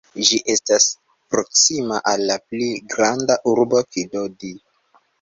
Ĝi estas proksima al la pli granda urbo Kidodi.